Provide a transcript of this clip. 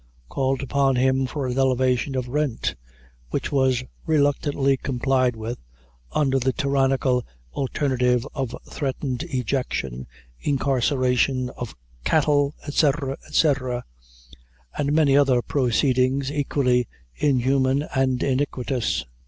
_ called upon him for an elevation of rent, which was reluctantly complied with, under the tyrannical alternative of threatened ejection, incarceration of cattle, &c, &c, and many other proceedings equally inhuman and iniquitous.